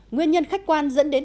nguyên nhân khách quan dẫn đến